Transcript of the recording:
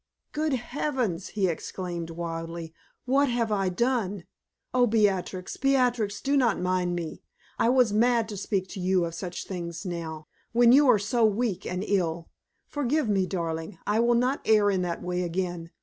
"Good heavens!" he exclaimed, wildly, "what have I done? Oh, Beatrix! Beatrix! do not mind me. I was mad to speak to you of such things now when you are so weak and ill! Forgive me, darling. I will not err in that way again.